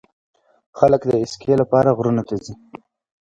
خلک د اسکی لپاره غرونو ته ځي.